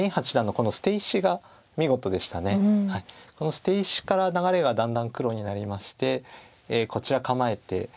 この捨て石から流れがだんだん黒になりましてこちら構えて。